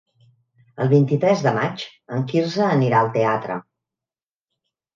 El vint-i-tres de maig en Quirze anirà al teatre.